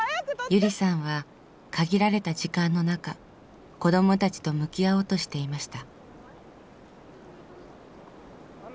ゆりさんは限られた時間の中子どもたちと向き合おうとしていました。